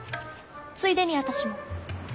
ついでに私も。